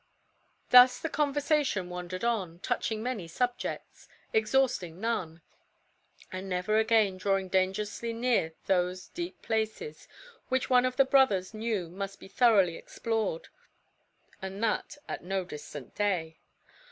Thus the conversation wandered on; touching many subjects, exhausting none; and never again drawing dangerously near those deep places which one of the brothers knew must be thoroughly explored, and that at no distant day.